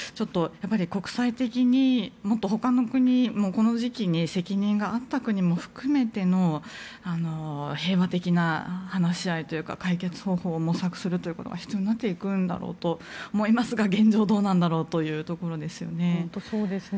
国際的にもっと他の国もこの時期に責任があった国も含めての平和的な話し合いというか解決方法を模索するということが必要になっていくんだろうと思いますが現状どうなんだろうというところですよね。